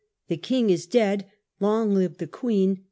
THE KING IS DEAD! LONG LIVE THE QUEEN!